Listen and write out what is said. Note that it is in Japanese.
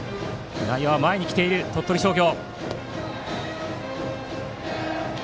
内野は前に来ている鳥取商業。